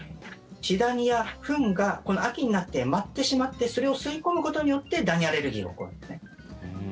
死ダニやフンが秋になって舞ってしまってそれを吸い込むことによってダニアレルギーが起こるんです。